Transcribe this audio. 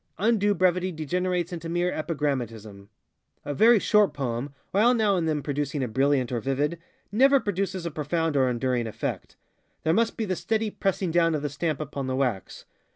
Undue brevity degenerates into mere epigrammatism. A very short poem, while now and then producing a brilliant or vivid, never produces a profound or enduring effect. There must be the steady pressing down of the stamp upon the wax.